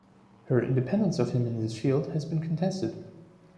Her independence of him in this field has been contested.